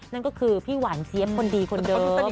นั่นก็คือพี่หวานเจี๊ยบคนดีคนเดิม